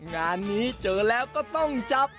งานนี้เจอแล้วก็ต้องจับ